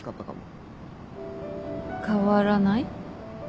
変わらない？